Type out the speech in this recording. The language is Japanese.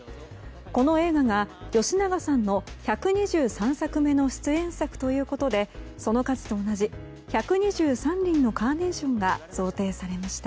この映画が吉永さんの１２３作目の出演作ということでその数と同じ１２３輪のカーネーションが贈呈されました。